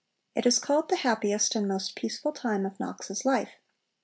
It is called the happiest and most peaceful time of Knox's life.